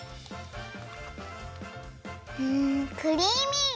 うんクリーミー！